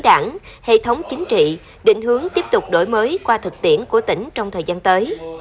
đảng hệ thống chính trị định hướng tiếp tục đổi mới qua thực tiễn của tỉnh trong thời gian tới